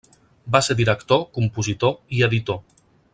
Va ser director, compositor i editor.